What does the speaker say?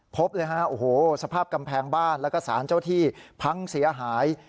พบเลยฮะโอ้โหสภาพกำแพงบ้านแล้วก็สารเจ้าที่พังเสียหาย